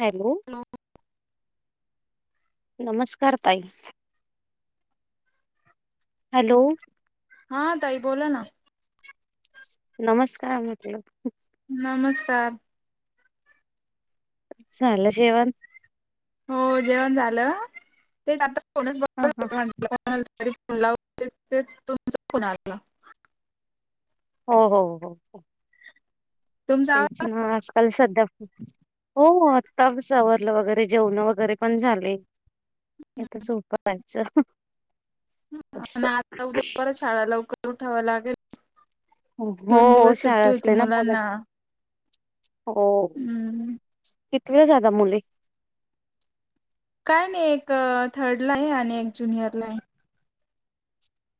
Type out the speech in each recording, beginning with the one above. Hello नमस्कार ताई. Hello हा ताई बोला ना. नमस्कार म्हणटल नमस्कार. झालं जेवण? हो जेवण झालं ते आता कोणच ब हा हा होत [unintelligible] तरी फोन लावतच होते तर तुमचा फोन आला. हो हो हो. तुमचा तेच आवाज ना आला होता आजकाल सध्या हो आताच आवरलं वगैरे जेवण वगैरे पण झाले. आता झोपायच आणि आता उद्या परत शाळा लवकर उठाव लागेल. दोन हो दिवस शाळा सुट्टी होती असते ना मुला मुलांना हो हम्म. कितवीला जातात मुले? काय नाही एक थर्ड ला आहे, आणि एक ज्युनियर ला आहे.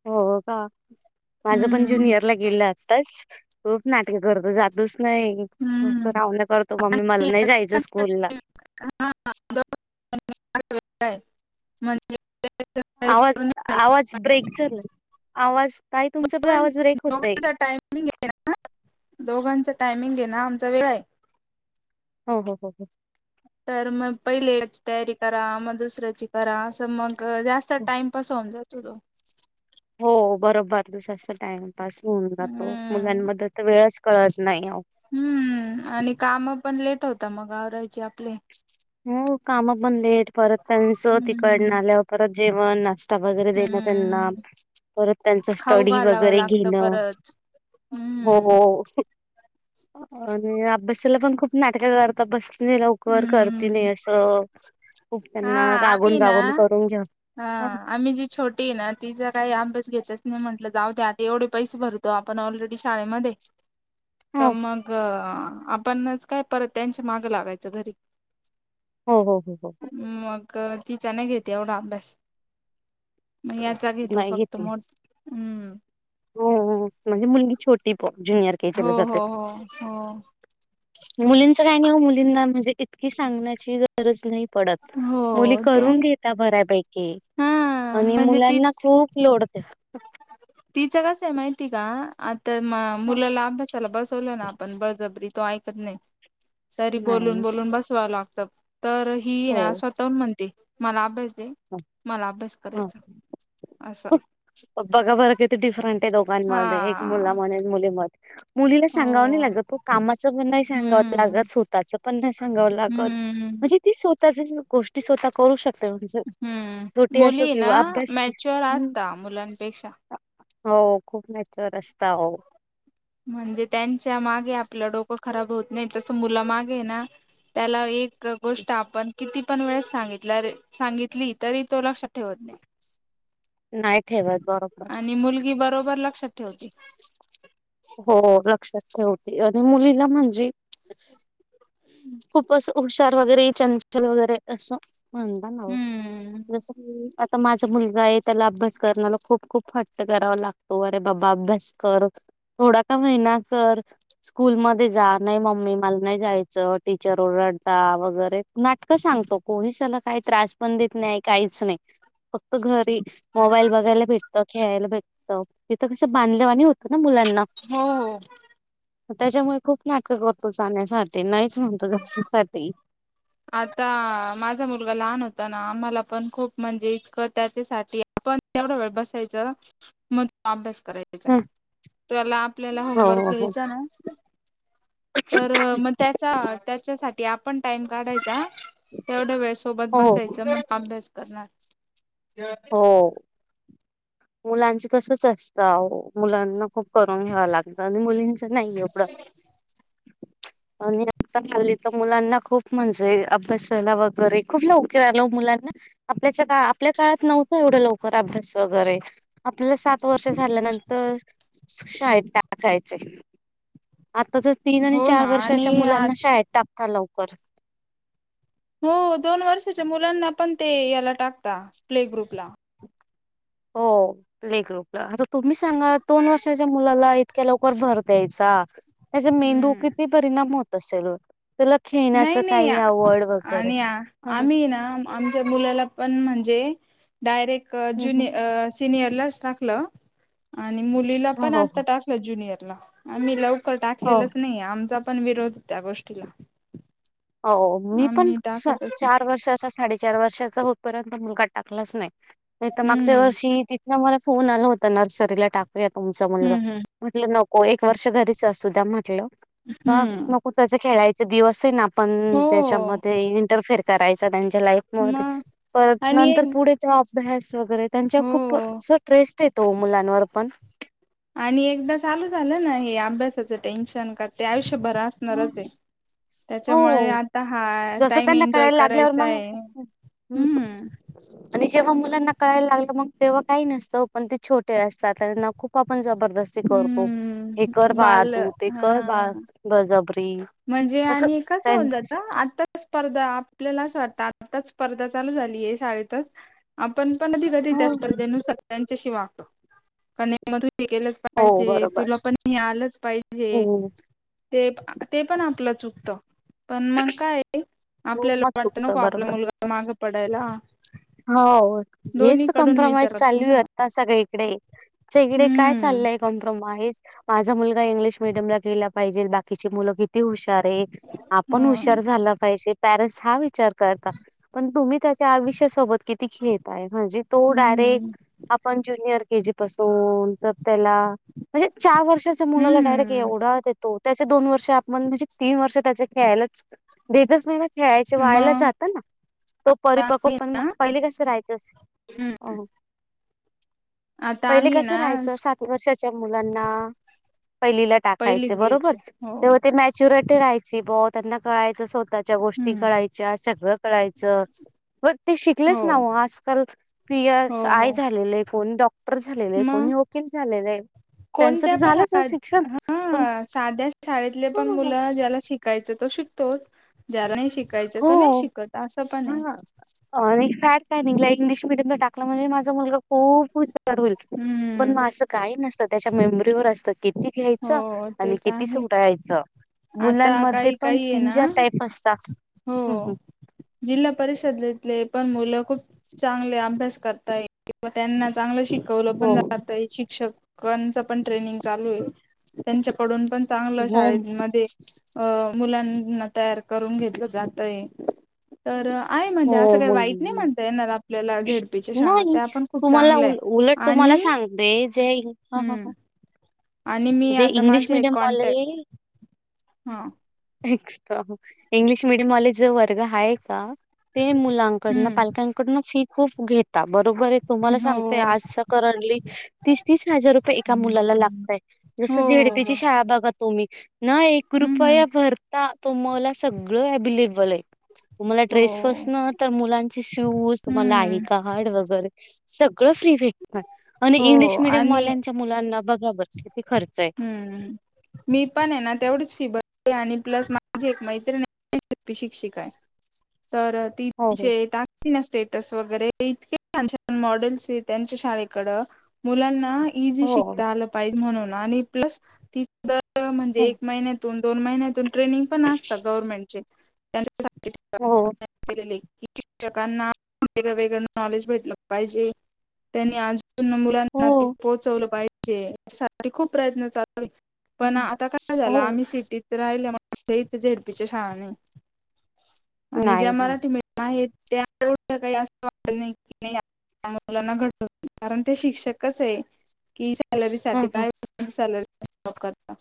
हो का? माझं पण हम्म ज्युनियर ला गेलं असताच खूप नाटक करतो जातच नाही मस्त हम्म. रावलं करतो मम्मी मला आणि नाही जायचं स्कूल ला. आहे म्हणजे [unintelligible] आवाज आवाज ब्रेक चचाल आवाज ताई तुमचा पण आवाज ब्रेक होतय. दोघ टायमिंग घ ना दोघांचा टायमिंग घे ना आम वेगळं आहे. हा हा ह ह. तर मग पहिले तयारी करा मग दुसऱ्याची करा असं मग जास्त टाइमपास होऊन जातो. हो बरोबर दिवसा टाइमपास होऊन जातो हम्म मुलांमध्ये तर वेळच कळत नाही ओ हम्म आणि काम पण लेट होत मग आवरायची आप हो काम पण लेट परत त्यांचं तिकडन हम्म आल्यावर परत जेवणत वगैरे देण त्यांना हम्म परत त्यांच खाऊ स्टडी घालावं वगैरे लागतं घेण परत हो हम्म आणि अभ्यासाला पण खूप नाटक करतात बस लवकर करते नाही हम्म असं खूप हा त्यांना आम्ही रागवून ना रागवून करून घ्या हा हो आम्ही जी छोटी आहे ना तिचा काही अभ्यास घेतच नाही म्हटलं जाऊ द आता एवढे पैसे भरतो आपण ऑलरेडी शाळेमध्ये तर मग आपणच काय परत त्यांच्या माग लागायचं घरी ह हो ह हो. मग तिचा नाही घेते एवढा अभ्यास. मग याचा घेतो नाही फक्त घेते. मोठ हम्म हो म्हणजे मुलगी छोटी प जुनियर केजीं हो ला जाते. हो हो हो मुलींच काही नाही मुलींना म्हणजे इतकी सांगण्याची गरज नाही. पडत मुली हो ते करून आहे. घेता बऱ्यापैकी हा आणि म्हणजे ती मुलांना खूप लोड दे तिचं कस आहे माहिती का? आता मुलाला अभ्यासाला बसवलं ना आपण बळजबरी तो ऐकत नाही तरी नाही बोलून बोलून बसवा लागतं. तर ही हो ना स्वतःहून म्हणते मला अभ्यास हो मला अभ्यास करायचा हो. असं बघा. बरं, किती डिफरंट आहे हा दोघांमध्ये एक मुलाध्ये, एक मुलीमध्ये मुलीला सांगावं नाही हो लागत. कामाचं पण नाही सांगावं हम्म लागत स्वतःच पण सांगावं लागत. हम्म म्हणजे ती स्वतः गोष्टी स्वतः करू शकते. म्हणजे, हम्म छोटी असो मुली ना किंवा अभ्यास मॅच्युअर हम्म असता मुलांपेक्षा हो खूप मॅच्युअर असता हो. म्हणजे त्यांच्या मागे आपलं डोकं खराब होत नाही. तसं मुला मागे ना त्याला एक गोष्ट आपण किती पण वेळेस सांगितल्यावर सांगितली तरी तो लक्षात ठेवत नाही. नाही ठेवात बरोबर ती बरोबर लक्षात ठेवते. शेवटी आणि मुलीला म्हणजे, खूप असं हुशार वगैरे चंचल वगैरे असं. म्हणता नाव हम्म जसं की आता माझा मुलगा आहे. त्याला अभ्यास करण्याला खूप खूप हट्ट करावा लागतो. अरे बाबा अभ्यास कर. थोडा का महिना कर स्कूल मध्ये जा नाही मम्मी मला नाही जायचं टीचर ओर डता वगैरे नाटकं सांगतो. कोणीच त्याला काही त्रास पण देत नाही काहीच नाही. फक्त घरी मोबाईल बघायला भेटतं, खेळायला भेटतं तिथं कसं बांधल्यावाणी होत. ना मुलांना हो हो त्याच्यामुळे खूप नाटक करतो. जाण्यासाठी नाही. च म्हणतो जाण्यासाठी, आता माझा मुलगा लहान आम्हाला पण खूप म्हणजे इतकं त्याच्यासाठी आपण तेवढ वेळ बसायचं मग अभ्यास करायचा. हो त्याला आपल्याला होमवर्क हो हो घ्यायचा ना. तर मग त्याचा त्याच्यासाठी, आपण टाइम काढायचा. तेवढ्या वेळ सोबत हो बसायचं मग अभ्यास करणार. हो, मुलांचं तसच असतं आव्हो मुलांना खूप करून घ्यावा लागत आणि मुलींच नाही एवढं, आणि आता हल्ली तर मुलांना खूप म्हणजे अभ्यासाला वगैरे खूप लवकर आलो मुलांना, आपल्याच्या का आपल्या काळात नव्हतं एवढं लवकर अभ्यास वगैरे आपल्याला सात वर्ष झाल्यानंतर शाळेत टाकायचे. आता तर तीन आणि हो ना चार आणि वर्षाच्या मुलांना शाळेत टाकतात. लवकर, हो दोन वर्षाच्या मुलांना पण ते याला टाकता प्ले ग्रुपला हो प्ले ग्रुपला आ तुम्ही सांगा दोन वर्षाच्या मुलाला इतक्या लवकर भर द्यायचा त्याचा मेंदू हम्म किती परिणाम होत असेल ओ. नाही नाही आणि हं, हं, आम्ही ना आमच्या मुलाला पण म्हणजे डायरेक्ट हं, हं. ज्यूनि सिनियरलाच टाकलं. आणि मुलीला हो पण हो आता टाकलं ज्युनियरला आम्ही लवकर हो टाकलेलंच नाही आमचा पण विरोध त्या गोष्टीला हो मी पण आम्ही टाकतच नाही. चार वर्षाचा साडेचार वर्षाचा होईपर्यंत मुलगा टाकलाच नाही. नाही तर हम्म मागच्या वर्षी तिथन मला फोन आला होता नर्सरीला टाक तुमचा मुलगा हम्म हम्म म्हटलं नको एक वर्ष घरीच असूद्या म्हटलं हम्म नको त्याचे खेळायचे दिवस आहे, ना आपण हो त्याच्यामध्ये इंटरफेयर करायच. त्यांच्या लाईफ मध्ये मग आणि एक नंतर पुढे तो अभ्यास वगैरे त्यांच्या हो खूप ट्रेस येतो मुलांवर पण, आणि एकदा चालू झालं ना हे अभ्यासाचं टेन्शन का ते आयुष्य भर असणारच हम्म. आहे. त्याच्यामुळे हो आता हा जसं टाइम एन्जॉय करायचा आहे. हम्म, आणि जेव्हा मुलांना कळायला लागलं. मग तेव्हा काही नसतं पण ते छोटे असतात. त्यांना खूप आपण जबर दस्ती करतो. हे कर हम्म बाळा बाल तू ते कर हा बाळ बळजबर म्हणजे आणि कसं होऊन जात आता स्पर्धा आपल्यालाच वाटत. आताच स्पर्धा चालू झालीय. शाळेतच आपण पण कधी कधी त्या हो स्पर्धेनुसार त्याच्याशी वागतो. [unintelligible] केलंच हो पाहिजे बरोबर तुला पण हे आलंच हो पाहिजे ते. हे पण आपलं चुकतं. पण मग काय हो आपल्याला मग वाटत नको चुकतं आपला बरोबर मुलगा मागं पडायला. हो हेच दोन्ही कडून कॉम्प्रोमाईझ विचार करतो चालू ना हाय आत्ता सगळीकडे. त्या इकडे काय हम्म चाललंय कॉम्प्रोमाइज. माझा मुलगा इंग्लिश मिडियम ला गेला पाहिजे बाकीची मुलं किती हुशार अरे आपण ह हुशार झाला पाहिजे पॅरेंट्स हा विचार करता पण तुम्ही कसे आहात. सोबत किती खेळताय म्हणजे तो हम्म डायरेक्ट आपण ज्युनियर के जी पासून म्हणजे चार वर्षाच्या मुलाला डायरेक्ट हम्म एवढा तो त्याचे दोन वर्ष आपण म्हणजे तीन वर्ष त्याच खेळायलाच देतच नाही ना खेळायचे वायाला मग जात ना तो परिपक्व पण मग पहिले कसं राहायचंस. ह आता पहिले आम्ही कसं ना राहायचं स्कू सात वर्षाच्या मुलांना पहिलीला टाकायच पहिलीत बरोबर घ्यायचे हो तेव्हा ते मॅच्युरिटी राहायची ब त्यांना कळायचं. स्वतःच्या गोष्टी हम्म कळायच्या सगळं कळायचं. ब हो शिकलेच ना ओ आजकाल पी हो एस हो आय झालेले कोण डॉक्टर पर झालेलं आहे, मग कोणी वकील झालेलं आहे. त्यांचं तर कोणत्या झालंच ना पण, शिक्षण पण हा साध्या शाळेतले पण हां, मुलं ज्याला शिकायचं तो शिकतो. तोच ज हो, हा इम्पॅक्ट घ इंगलिश मिडीयम टाकलं म्हणे माझा मुलगा खूप हुशार आहे नार होईल, पण हम्म मग असं काही नसतं,, त्याच्या मेमरीवर असतं कितीऽऽ घ्यायचं, हो ते आणि तर कितीस आहे उटा यायचं. आता मुलांमध्ये काही पण काही आहे तीन, ना चार टाईप असतात. हं हं हो, जिल्हा परिषदेतले पण मुलं खूप चांगले अभ्यास करतात. वा त्यांना चांगलं शिकवलं हो पण जात आहे, शिक्षकांच पण ट्रेनिंग चालू आहे, त्यांच्याकडून पण चांगलं हो शाळेमध्ये अं मुलांना तयार करून घेतलं जातय. तर आहे म्हणजे, हो असं काही वाईट नाही मुल- म्हणत येणार,, आपल्याला, झेडपीच्या शाळा, त्या आपण खूप चांगल्या आहे, आणि मला सांगते ज्या हम्म आणि मी जे आता इंग्लिश माझे मीडियम वाले कॉन्टॅक्ट हा एक्स्ट्रा इंग्लिश मिडियमवाले जो वर्ग आहे का? ते मुलांकडन, हम्म पालकांकडून फी खूप घेता बर बरोबर आहे, तुम्हाला हो सांगते आजचा करंटली तीस, तीस हजार रुपये एका मुलाला लागतायेत. जस हो हो झेडपिची हो शाळा बघा तुम्ही, ना एक हम्म हम्म रुपया भरता तुमला सगळं अवेलेबल आहे. तुम्हाला ड्रेस हो पासण तर मुलांचे शूज, तुम्हाला आई हम्म कार्ड वगैरे सग सगळ फ्री भेटतात, आणि हो इंग्लिश मिडियम आणि वाल्यांच्या मुलांना बघा ब हम्म, मी पण आहे ना तेवढच फि ब आणि प्लस माझी एक मैत्रीणी झेडपी शिक्षिका आय, तर, ती हो, तचे टाकती न स्टेटस वगैरे इतके छान, छान मॉडेल्स या त्यांच्या शाळेकड, मुलांना ईजी हो. शिकता आल पाहीजे म्हणून, प्लस त म्हणजे हो, एक महिन्यात दोन, दोन महिन्यातून ट्रेनिंग पण असतात गवर्नमेंटचे. त्यां हो, केलेले. शिक्षकांना वेगळं, वेगळं नॉलेज भेटलं पाहिजे, त्यांनी आ मुलांना ते हो, पोहोचवलं पाहिजे, या सासाठी खूप प्रयत्न चालत पण हो, आता काय झालं, हो. आम्ही सिटीत राहिल म्ह इथे झेडपीच्या शाळाने, आणि नाही, ज्या नाही. मराठी मिडीयम आहेत. ते आमच्या पिढीला काही असं वाटत नाही की, आपल्या मुलांना घडवतो कारण ते शिक्षक कस ये की हं, साठी हं. काय, सॅलरी साठी काम करता.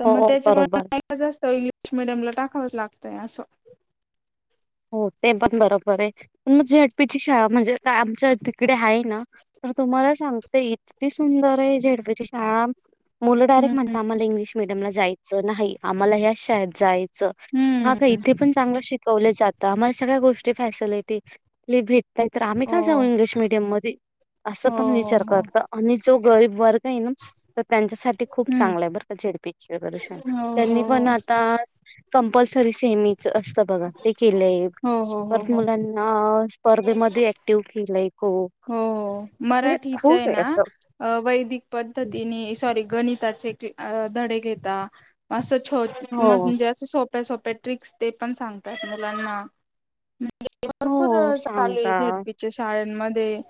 तर मग हो, त्याच्यामुळे बरोबर. मुलांना जास्त इंग्लिश मिडियमला टाकावंच लागतय, आसंऽऽ हो, ते पण बरोबर हा ये, पण मग झे एड पीची शाळा म्हणजे आमच्या तिकडे आहे ना? तर तुम्हाला सांगते, इतकी सुंदर आहे, झेडपची शाळा मुलं हम्म डायरेक्ट म्हणता, आम्हाला इंग्लिश मिडियम ला जायचं नाही. आम्हाला ह्या शाळेत जायचं च. हा हम्म का इथे पण चांगल शिकवलं जातं, आम्हाला सगळ्या गोष्टी फॅसिलिटी भे तात नाहीतर आम्ही हो का जाऊ इंग्लिश मीडियम मध्ये? असं हो पण हो विचार हो करत आणि जो गरीब वर्ग नाही ना तर, त्यांच्यासाठी खूप हम्म चांगलं हाय बरं का? झेडपीची वगैरे शाळा, हो त्यांनी हो पण हो आताच कंपल्सरी सेमीच असतं बघ केलंय, हो हो हो परत हो मुलांना स्पर्धेमध्ये ऍक्टिव केलंय, खूप. हो हो म्हणजे मराठीच खूप हाय आहे ना, असं वैदिक पद्धतीने सॉरी गणितात जे की धडे घेता, आस छो हो मनजे, अस सो प्या सोप्या ट्रिक्स ते पण सांगतात मुलांना. भरपूर हो चालू आहे सांगता झेडपीच्या शाळेंमध्ये.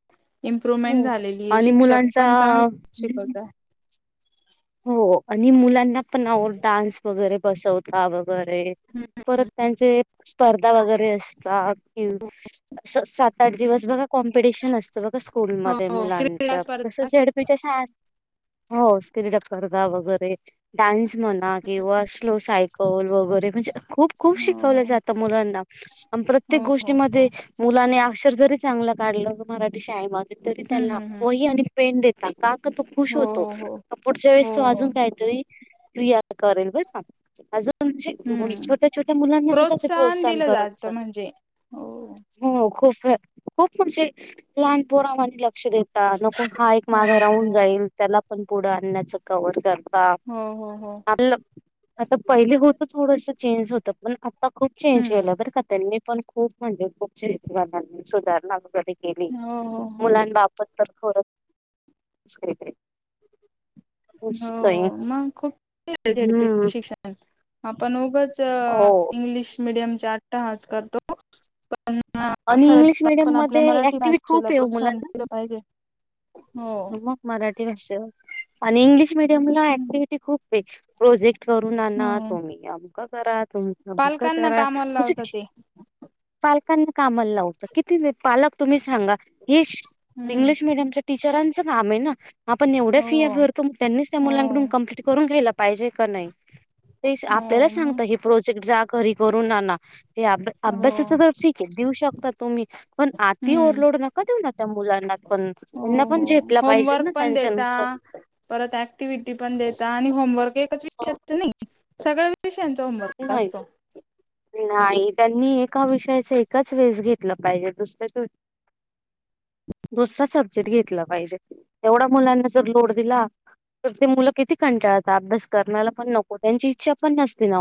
इम्प्रुव्हमेंट हो. झालेली आहे, आणि शिक्षक मुलांचा पण चांगले शिकवतात हो आणि मुलांना पण ना ओ डान्स वगैरे बसवता वगैरे परत त्यांचे स्पर्धा वगैरे असतात कि सात आठ दिवस बघा कॉम्पिटिशन असतं बघा हो स्कूलमध्ये हो क्रीडा मुलांच्या तसं स्पर्धा झडपीच्या शाळे हो, स क्रीडा स्पर्धा वगैरे डान्स म्हणा किंवा स्लो साय कल वगैरे म्हणजे खूप खूप शिकवल्या हो जातं मुलांना आणि प्रत्येक हो हो हो गोष्टीमध्ये मुलाने अक्षर जरीे चां गल काढलं की मराठी शाळेमध्ये तरी हम्म त्याला हम्म हम्म वही आणि पेन देता, का तर तो खुश हो होतो. हो हो पुढच्या वेळेस तो हो हो अजून काहीतरी क्रिया करेल बर का अजून म्हणजे हम्म छोट्या-छोट्या मुलांना सुद्धा ते प्रोत्साहन दिलं करत असत. जातं म्हणजे हो हो खूप खूप म्हणजे लहान पोरावानी लाग लक्ष देता नको हा एक हो माघ राहून हो जाईल त्याला पण पुढं आणण्याच कवर कर हो हो. हो आपल्याल [inaudible] आता पहिले होत थोडस चेंज होत पण आता खूप चेंज हम्म केलं बरं का त्यांनी पण खूप म्हणजे खूप चेंज सुधारणा वगैरे केली हो हो मुलांबाबत तर थोड [unintelligible] हो मग खूप हम्म झेडपीच शिक्षण आपण उगच हो इंग्लिश मिडियमच्या अट्टाहास करतो. पण आणि खर इंग्लिश मिडियम आपण आपल्या मध्ये मराठी ऍक्टिव्हटी भाषेला खूप आहे हो प्रोत्साहन मुलांना दिलं पाहिजे. हो मग मराठी भाषेवर आणि इंग्लिश मिडियमला ऍक्टिव्हीटी खूप आहेत प्रोजेक्ट करून आना हम्म तुम्ही अमक करा. तुम्ही तमक पालकांना करा कामाला जस लावतात की ते पालकांना कामाला लावता किती ते पालक तुम्ही सांगा हे हम्म इंग्लिश मिडीयम चे टीच चरांचं काम आहे ना आपण एवढ्या फी हो भरतो त्यांनीच त्या हो मुलांकडून कंप्लीट करून घ्यायला पाहिजे का नाही. ते आपल्याला हो मग सांगता की प्रोजेक्ट जा घरी करून आना. हे अभ हो अभ्यासाच तर ठीक आहे देऊ शकता तुम्ही पण अती हम्म ओहरलोड नका देऊ ना त्या मुलांना पण हो त्यांना पण हो ते होमवर्क पण देता परत ऍक्टिव्हटी पण देता आणि होमवर्क जास्त नाही सगळ्या विषयाचा होमवर्क नाही असतो. नाही त्यांनी एका विषयाच एकच वेस घेतला पाहिजे दुसरं त दुसरा सब्जेक्ट घेतला पाहिजे तेवढा मुलांना जर लोड दिला तर ते मुलं किती कंटाळतात अभ्यास करण्याला पण नको त्यांची इच्छा पण नसती ना हो